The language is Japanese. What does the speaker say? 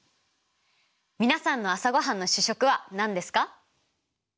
皆さんの朝ごはんの主食は何ですか？